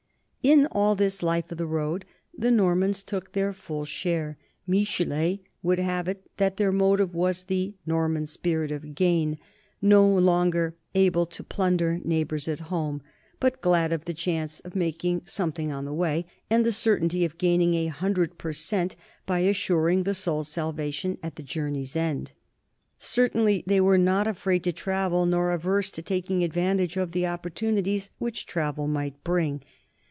In all this life of the road the Normans took their full share. Michelet would have it that their motive was the Norman spirit of gain/no longer able to plunder neigh bors at home, but glad of the chance of making some thing on the way and the certainty of gaining a hundred per cent by assuring the soul's salvation at the journey's end. Certainly they were not afraid to travel nor averse to taking advantage of the opportunities which travel might bring.